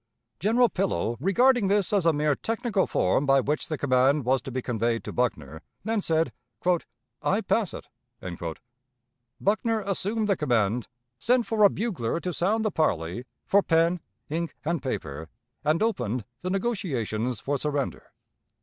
General Pillow, regarding this as a mere technical form by which the command was to be conveyed to Buckner, then said, "I pass it." Buckner assumed the command, sent for a bugler to sound the parley, for pen, ink, and paper, and opened the negotiations for surrender.